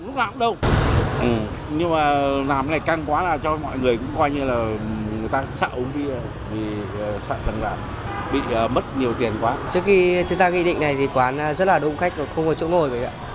trước khi ra nghị định này thì quán rất là đông khách không có chỗ ngồi